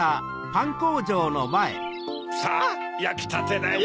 さぁやきたてだよ。